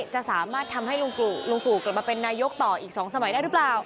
จะสามารถทำให้ลุงตู่กลับมาเป็นนายกต่ออีก๒สมัยได้หรือเปล่า